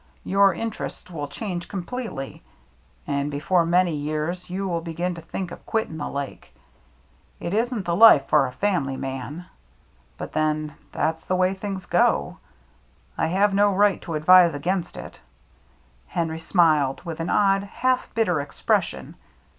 Your interests will change completely. And before many years, you will begin to think of quitting the Lake. It isn't the life for a family man. But then — that's the way things go. I have no right to advise against it." Henry smiled, with an odd, half bitter expression.